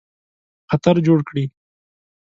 خطر جوړ کړي.